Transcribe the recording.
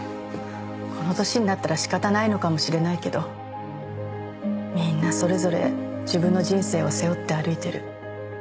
この年になったら仕方ないのかもしれないけどみんなそれぞれ自分の人生を背負って歩いてる。